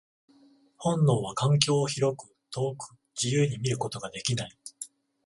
本能は環境を広く、遠く、自由に見ることができない。